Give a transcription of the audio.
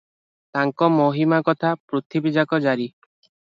ତାଙ୍କ ମହିମା କଥା ପୃଥିବୀଯାକ ଜାରି ।